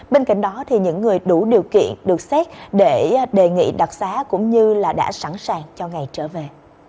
bên cạnh đó những người đủ điều kiện được xét để đề nghị đặc sá cũng như đã sẵn sàng cho ngày trở về